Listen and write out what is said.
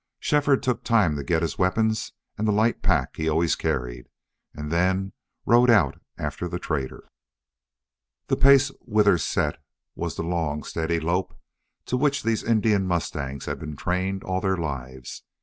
Shefford took time to get his weapons and the light pack he always carried, and then rode out after the trader. The pace Withers set was the long, steady lope to which these Indian mustangs had been trained all their lives.